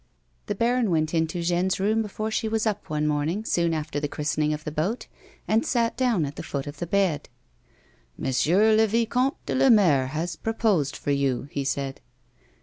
The baron wont into Jeanne's room before she was up one morning soon after the christening of the boat, and sat down at the foot of the bed. "M. le Vicomte de Lamare has proposed for you," he said.